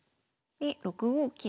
で６五桂。